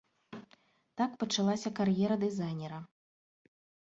Так пачалася кар'ера дызайнера.